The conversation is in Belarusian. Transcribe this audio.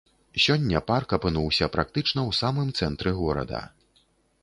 Сёння парк апынуўся практычна ў самым цэнтры горада.